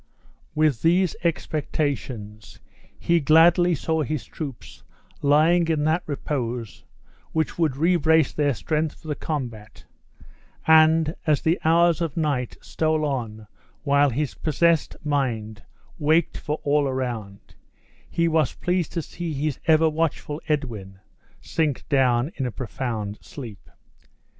With these expectations he gladly saw his troops lying in that repose which would rebrace their strength for the combat, and, as the hours of night stole on while his possessed mind waked for all around, he was pleased to see his ever watchful Edwin sink down in a profound sleep.